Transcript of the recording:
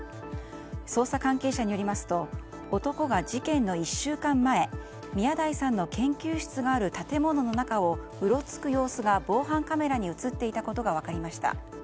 捜査関係者によりますと男が事件の１週間前宮台さんの研究室がある建物の中をうろつく様子が防犯カメラに映っていたことが分かりました。